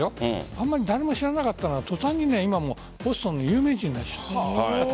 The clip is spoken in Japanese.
あまり誰も知らなかったのが途端に今ボストンの有名人になっちゃった。